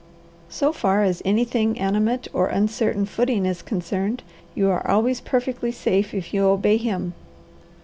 So far as anything animate or uncertain footing is concerned, you are always perfectly safe if you obey him.